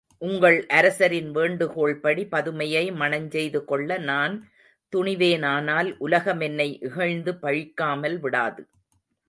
உங்கள் அரசரின் வேண்டுகோள்படி பதுமையை மணஞ்செய்து கொள்ள நான் துணிவேனானால் உலகம் என்னை இகழ்ந்து பழிக்காமல் விடாது.